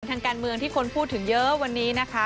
ทางการเมืองที่คนพูดถึงเยอะวันนี้นะคะ